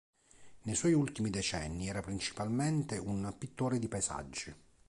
Nei suoi ultimi decenni, era principalmente un pittore di paesaggi.